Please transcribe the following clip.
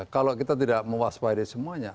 kalau kita tidak mewaspah ide semuanya